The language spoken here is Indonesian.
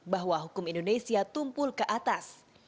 bahwa hukum indonesia tumpul ke atas